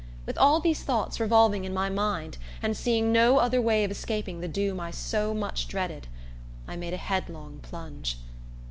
With all these thoughts revolving in my mind, and seeing no other way of escaping the doom I so much dreaded, I made a headlong plunge.